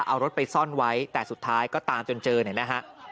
เอารถไปซ่อนไว้แต่สุดท้ายก็ตามจนเจอเนี่ยนะฮะ